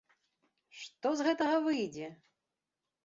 Што з гэтага выйдзе!